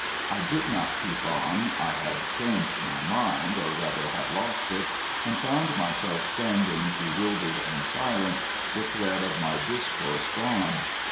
I did not keep on — I had changed my mind, or rather had lost it, and found myself standing bewildered and silent, the thread of my discourse gone.